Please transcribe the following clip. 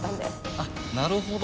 あっなるほど。